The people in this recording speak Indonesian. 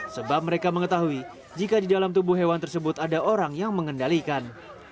sebab mereka mengetahui jika di dalam tubuh hewan tersebut ada orang yang mengendalikan